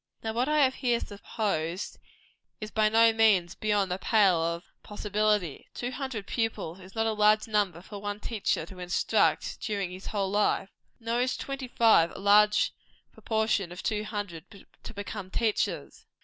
Now what I have here supposed, is by no means beyond the pale of possibility. Two hundred pupils is not a large number for one teacher to instruct during his whole life. Nor is twenty five a large proportion of two hundred to become teachers.